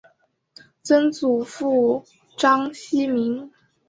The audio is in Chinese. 曾祖父章希明。